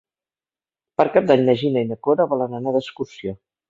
Per Cap d'Any na Gina i na Cora volen anar d'excursió.